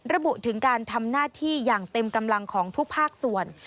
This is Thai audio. ระบุถึงการทำหน้าที่อย่างเต็มกำลังของทุกภาคส่วน